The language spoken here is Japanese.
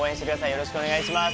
よろしくお願いします